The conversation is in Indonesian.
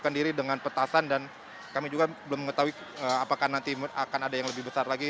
mereka akan diri dengan petasan dan kami juga belum mengetahui apakah nanti akan ada yang lebih besar lagi